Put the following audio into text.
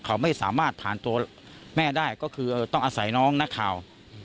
เขาไม่สามารถผ่านตัวแม่ได้ก็คือต้องอาศัยน้องนักข่าว